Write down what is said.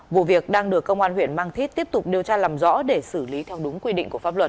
vụ việc đang được công an huyện mang thít tiếp tục điều tra làm rõ để xử lý theo đúng quy định của pháp luật